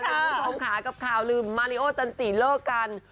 หรือท้องขากับข่าวหรือมาริโอจันทรีย์เลิกกัน